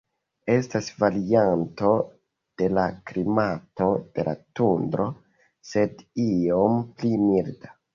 Estas varianto de la klimato de la tundro, sed iom pli milda.